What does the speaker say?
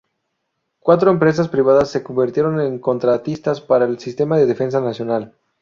Cuatro empresas privadas se convirtieron en contratistas para el sistema de defensa nacional.